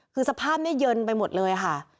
คือสภาพนี้เยินไปหมดเลยค่ะ